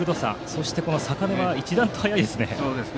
そして坂根は一段と速いですね。